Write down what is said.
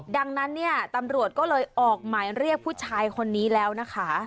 ดังนั้นเนี่ยตำรวจก็เลยออกหมายเรียกผู้ชายคนนี้แล้วนะคะ